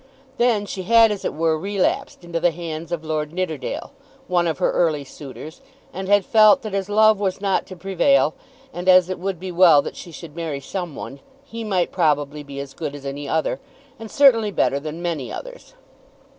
Then she had as it were relapsed into the hands of Lord Nidderdale, one of her early suitors, and had felt that as love was not to prevail, and as it would be well that she should marry some one, he might probably be as good as any other, and certainly better than many others.